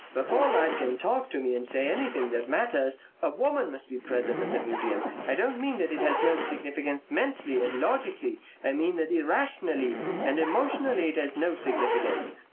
Before life can talk to me and say anything that matters a woman must be present as a medium. I don't mean that it has no significance mentally and logically; I mean that irrationally and emotionally it has no significance.